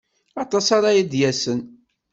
Aṭas ara d-yasen.